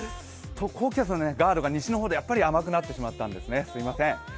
高気圧のガードが西の方でやっぱり甘くなってしまったんですね、すみません。